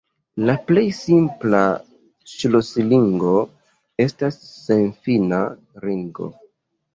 La plej simpla ŝlosilingo estas senfina ringo.